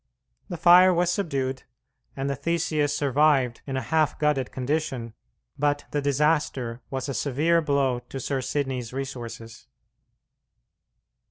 The fire was subdued, and the Theseus survived in a half gutted condition, but the disaster was a severe blow to Sir Sidney's resources.